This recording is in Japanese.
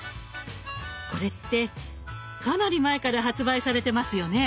これってかなり前から発売されてますよね？